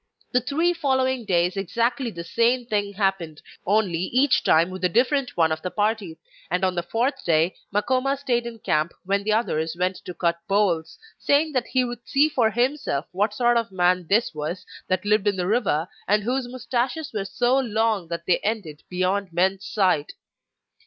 The three following days exactly the same thing happened, only each time with a different one of the party; and on the fourth day Makoma stayed in camp when the others went to cut poles, saying that he would see for himself what sort of man this was that lived in the river and whose moustaches were so long that they extended beyond men's sight.